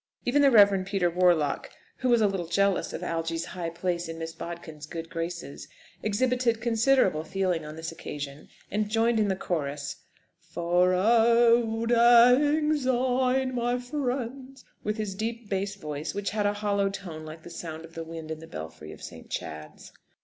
Even the Reverend Peter Warlock, who was a little jealous of Algy's high place in Miss Bodkin's good graces, exhibited considerable feeling on this occasion, and joined in the chorus "For au auld la ang syne, my friends," with his deep bass voice, which had a hollow tone like the sound of the wind in the belfry of St. Chad's.